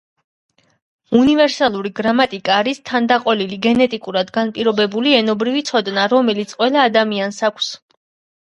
უნივერსალური გრამატიკა არის თანდაყოლილი, გენეტიკურად განპირობებული ენობრივი ცოდნა, რომელიც ყველა ადამიანის აქვს.